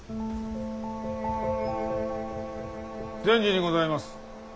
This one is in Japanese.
善児にございます。